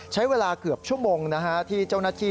ใช้เวลาเกือบชั่วโมงนะฮะที่เจ้านาฏิ